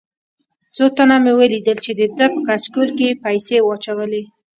څو تنه مې ولیدل چې دده په کچکول کې یې پیسې واچولې.